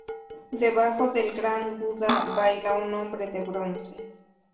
Debajo del Gran Buda baila un hombre de bronce.